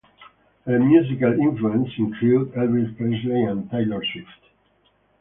Her musical influences include Elvis Presley and Taylor Swift.